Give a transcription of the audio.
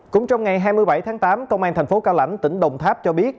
cũng trong ngày hai mươi bảy tháng tám công an thành phố cao lãnh tỉnh đồng tháp cho biết